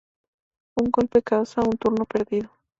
Un golpe causa un turno perdido.